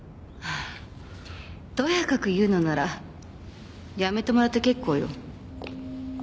とやかく言うのなら辞めてもらって結構よ。